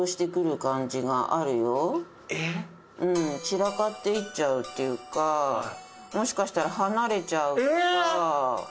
散らかっていっちゃうっていうかもしかしたら離れちゃうかなんかあるかもよ。